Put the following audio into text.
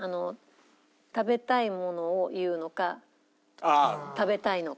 食べたいものを言うのか食べたいのか。